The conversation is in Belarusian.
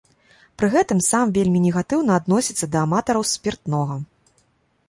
Пры гэтым сам вельмі негатыўна адносіцца да аматараў спіртнога.